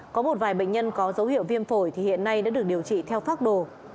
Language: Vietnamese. có một vài bệnh nhân có dấu hiệu viêm phổi thì hiện nay đã được điều trị theo pháp đồ